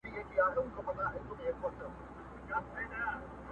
پلو باد واخیست له مخه چي وړیا دي ولیدمه٫